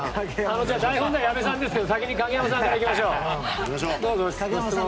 台本では矢部さんですけど先に影山さんから行きましょう。